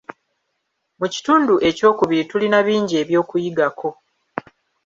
Mu kitundu ekyokubiri tulina bingi eby'okuyigako.